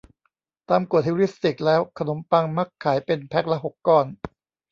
ตามกฏฮิวริสติกแล้วขนมปังมักขายเป็นแพคละหกก้อน